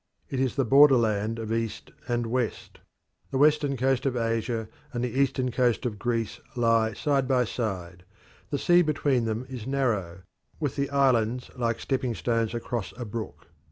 It is the borderland of East and West. The western coast of Asia and the eastern coast of Greece lie side by side; the sea between them is narrow, with the islands like stepping stones across a brook.